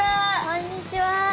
こんにちは。